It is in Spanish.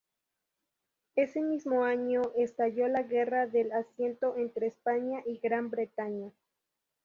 Ese mismo año estalló la Guerra del Asiento entre España y Gran Bretaña.